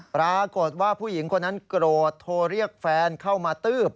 ปรากฏว่าผู้หญิงคนนั้นโกรธโทรเรียกแฟนเข้ามาตืบ